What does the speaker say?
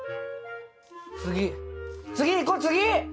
次次いこう次！